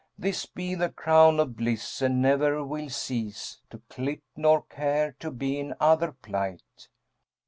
This be the crown of bliss, and ne'er we'll cease * To clip, nor care to be in other plight.'